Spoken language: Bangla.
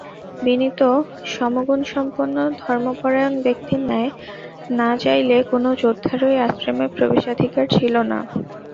বিনীত শমগুণসম্পন্ন ধর্মপরায়ণ ব্যক্তির ন্যায় না যাইলে কোন যোদ্ধারই আশ্রমে প্রবেশাধিকার ছিল না।